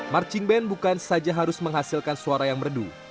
marching band bukan saja harus menghasilkan suara yang merdu